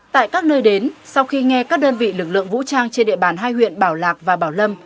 tại các nơi đến sau khi nghe các đơn vị lực lượng vũ trang trên địa bàn hai huyện bảo lạc và bảo lâm